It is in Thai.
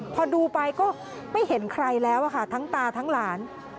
พอดูไปก็ไม่เห็นใครแล้วค่ะทั้งตาทั้งหลาน